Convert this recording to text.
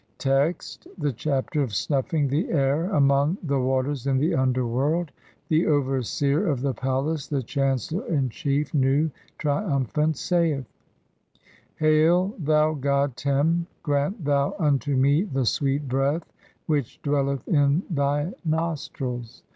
Text : (1) The Chapter of snuffing the air among the WATERS IN THE UNDERWORLD. The overseer of the palace, (2) the chancellor in chief, Nu, triumphant, saith :— "Hail, thou god Tern, grant thou unto me the sweet breath "which dwelleth in thy nostrils.